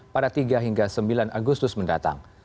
pada tiga hingga sembilan agustus mendatang